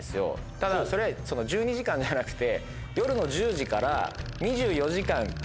ただそれ１２時間じゃなくて夜の１０時から。